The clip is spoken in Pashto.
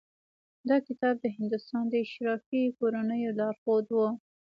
دا کتاب د هندوستان د اشرافي کورنیو لارښود و.